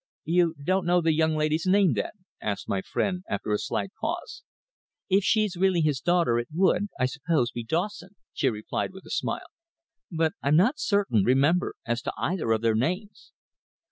"You don't know the young lady's name, then?" asked my friend, after a slight pause. "If she's really his daughter it would, I suppose, be Dawson," she replied with a smile. "But I'm not certain, remember, as to either of their names."